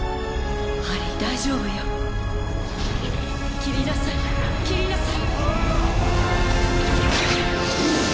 ハリー大丈夫よ切りなさい切りなさい！